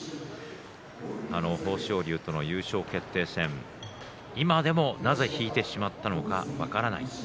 豊昇龍との優勝決定戦今でも、なぜ引いてしまったのか分からない。